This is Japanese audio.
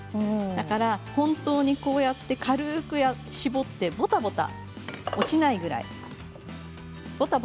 だから本当にこうやって軽く絞ってぼたぼた落ちないくらい。